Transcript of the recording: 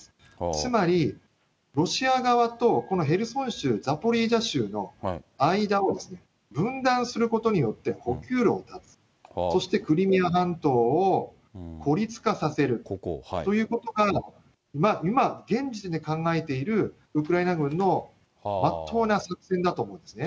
つまり、ロシア側とこのヘルソン州、ザポリージャ州の間を分断することによって補給路を断つ、そしてクリミア半島を孤立化させるということが、今、現時点で考えているウクライナ軍のまっとうな作戦だと思うんですね。